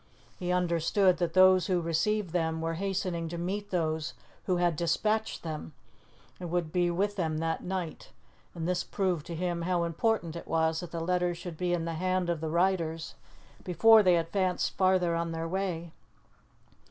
He understood that those who received them were hastening to meet those who had despatched them, and would be with them that night; and this proved to him how important it was that the letters should be in the hand of the riders before they advanced farther on their way.